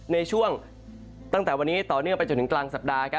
ในช่วงตั้งแต่วันนี้ต่อเนื่องไปจนถึงกลางสัปดาห์